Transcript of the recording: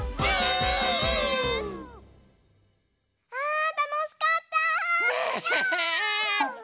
あたのしかった！ね。